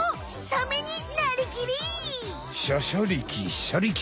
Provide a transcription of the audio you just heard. シャシャリキシャリキ！